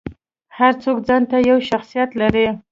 هر څوک ځانته یو شخصیت لري.